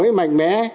đổi mới mạnh mẽ